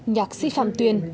nhạc sĩ phạm tuyên